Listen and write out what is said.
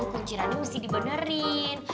kunciannya mesti dibenerin